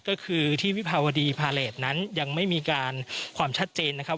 ก็คือที่วิภาวดีพาเลสนั้นยังไม่มีการความชัดเจนนะครับ